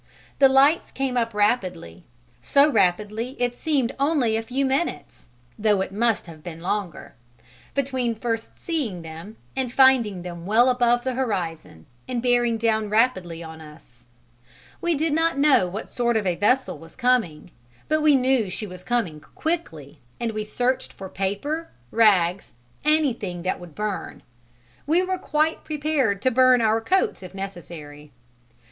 The lights came up rapidly: so rapidly it seemed only a few minutes (though it must have been longer) between first seeing them and finding them well above the horizon and bearing down rapidly on us. We did not know what sort of a vessel was coming, but we knew she was coming quickly, and we searched for paper, rags, anything that would burn (we were quite prepared to burn our coats if necessary).